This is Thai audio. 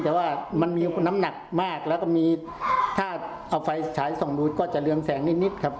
แต่ว่ามันมีน้ำหนักมากแล้วก็มีถ้าเอาไฟฉายส่องดูก็จะเรืองแสงนิดครับ